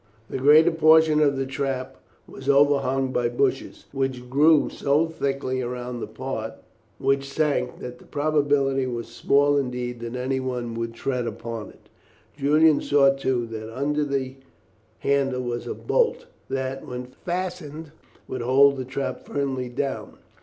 The greater portion of the trap was overhung by bushes, which grew so thickly around the part which sank that the probability was small indeed that anyone would tread upon it. Julian saw, too, that under the handle was a bolt that, when fastened, would hold the trap firmly down.